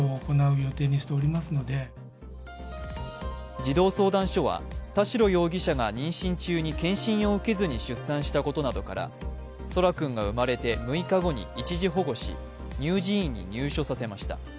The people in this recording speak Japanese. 児童相談所は田代容疑者が妊娠中に健診を受けずに出産したことなどから、空来君が生まれて６日後に一時保護し、乳児院に入所させました。